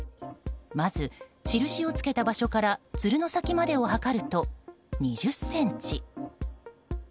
まず、印をつけた場所からつるの先までを測ると、２０ｃｍ。